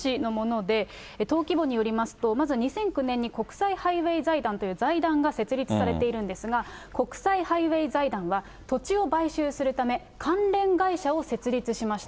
土地の取得の一例、これ、対馬市のもので、登記簿によるとまず２００９年に国際ハイウェイ財団という財団が設立させているんですが、国際ハイウェイ財団は、土地を買収するため、関連会社を設立しました。